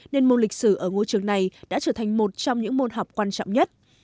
nên môn lịch sử ở ngôi trường này đã trở thành một trong những môn học quan trọng nhất